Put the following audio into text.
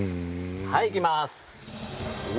はいいきます。